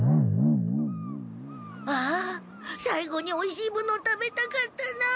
ああさいごにおいしいもの食べたかったなあ。